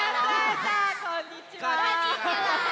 こんにちは！